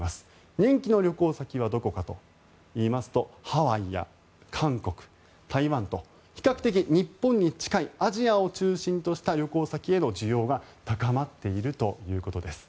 人気の旅行先はどこかといいますとハワイや韓国、台湾と比較的日本に近いアジアを中心とした旅行先への需要が高まっているということです。